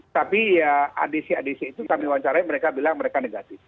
tapi ya adisi adisi itu kami wawancarai mereka bilang mereka negatif